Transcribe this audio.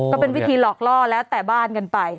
ก็เป็นวิธีหลอกล่อแล้วแต่บ้านกันไป